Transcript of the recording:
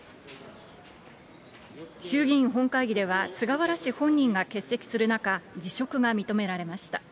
衆議院本会議では、菅原氏本人が欠席する中、辞職が認められました。